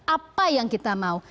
apa yang kita mau